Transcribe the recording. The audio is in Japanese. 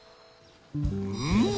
うん。